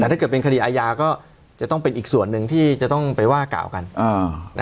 แต่ถ้าเกิดเป็นคดีอาญาก็จะต้องเป็นอีกส่วนหนึ่งที่จะต้องไปว่ากล่าวกัน